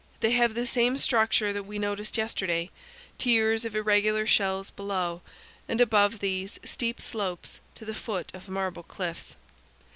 They have the same structure that we noticed yesterday tiers of irregular shelves below, and, above these, 248 8 CANYONS OF THE COLORADO. steep slopes to the foot of marble cliffs.